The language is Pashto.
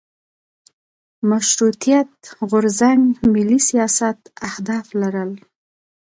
مشروطیت غورځنګ ملي سیاست اهداف لرل.